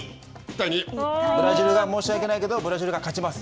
ブラジルが申し訳ないけどブラジルが勝ちます。